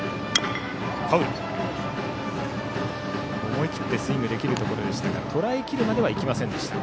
思い切ってスイングできるところでしたがとらえきるまではいきませんでした。